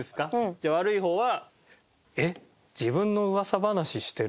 じゃあ悪い方は。